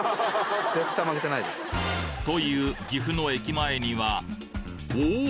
という岐阜の駅前にはおぉ！